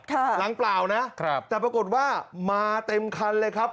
หลังเปล่านะครับแต่ปรากฏว่ามาเต็มคันเลยครับ